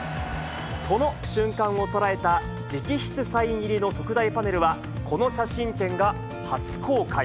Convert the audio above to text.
その瞬間を捉えた直筆サイン入りの特大パネルはこの写真展が初公開。